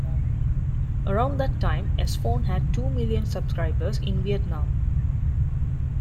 Around that time, S-Fone had two million subscribers in Vietnam.